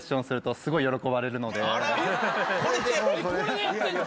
これでやってんの？